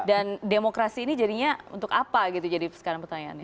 dan demokrasi ini jadinya untuk apa gitu jadi sekarang pertanyaannya